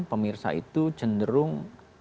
pemirsa itu cenderung